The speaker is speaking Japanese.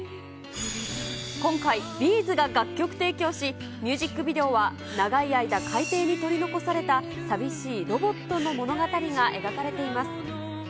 今回、Ｂ’ｚが楽曲提供し、ミュージックビデオは、長い間、海底に取り残された寂しいロボットの物語が描かれています。